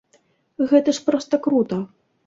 Гэта ж проста крута!